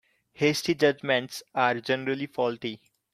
Hasty judgements are generally faulty.